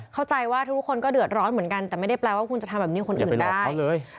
เข้าใจว่าทุกคนก็เดือดร้อนเหมือนกันแต่ไม่ได้แปลว่าคุณจะทำแบบนี้คนอื่นได้เลย